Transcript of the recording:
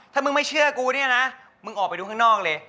ถ้ามึงไม่เชื่อกูเนี่ยนะมึงออกไปดูข้างนอกเลย